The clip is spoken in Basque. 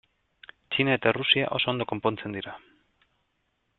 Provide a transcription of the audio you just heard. Txina eta Errusia oso ondo konpontzen dira.